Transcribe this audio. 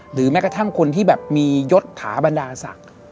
แม้กระทั่งคนที่แบบมียศถาบรรดาศักดิ์